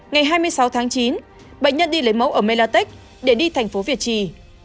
ngày hai mươi sáu tháng chín bệnh nhân đi lấy mẫu ở melatech để đi thành phố việt trì